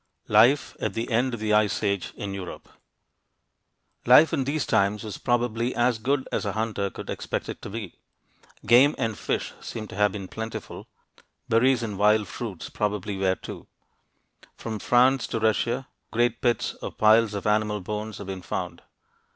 LIFE AT THE END OF THE ICE AGE IN EUROPE Life in these times was probably as good as a hunter could expect it to be. Game and fish seem to have been plentiful; berries and wild fruits probably were, too. From France to Russia, great pits or piles of animal bones have been found.